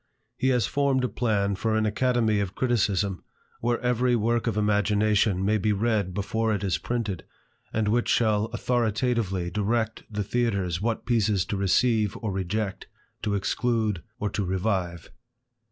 He has formed a plan for an academy of criticism, where every work of imagination may be read before it is printed and which shall authoritatively THE IDLER. 315 direct the theatres what pieces to receive or reject, to exclude or to revive.